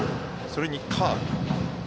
それにカーブ。